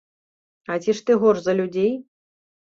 А ці ж ты горш за людзей?